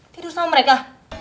tidur sama mereka